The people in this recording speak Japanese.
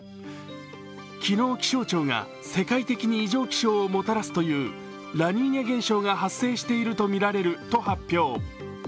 昨日、気象庁が世界的に異常気象をもたらすというラニーニャ現象が発生したとみられると発表。